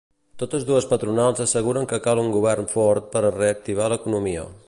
Totes dues patronals asseguren que cal un govern fort per a reactivar l’economia.